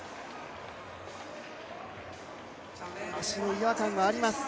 脚の違和感があります。